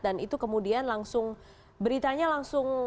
dan itu kemudian langsung beritanya langsung